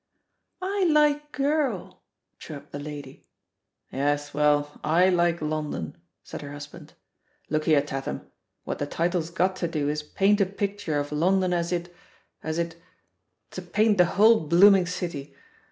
" "I like 'Girl,' " chirped the lady. "Yes, well, I like 'London,' " said her hus band. "Look here, Tatham, what the title's got to do is paint a picture of London as it — as it — to paint the whole blooming city.